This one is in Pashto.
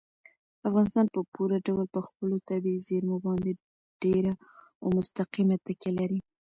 افغانستان په پوره ډول په خپلو طبیعي زیرمو باندې ډېره او مستقیمه تکیه لري.